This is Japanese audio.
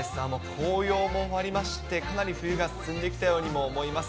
紅葉も終わりまして、かなり冬が進んできたようにも思います。